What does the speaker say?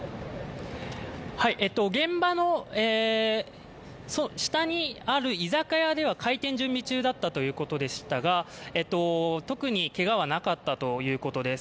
現場の下にある居酒屋では開店準備中だったということでしたが特にけがはなかったということです。